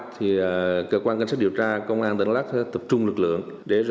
thì cơ quan cân sát điều tra công an tấn lắc sẽ tập trung lực lượng